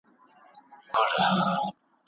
ایا په ناول کې د پخواني ایران انځور شته؟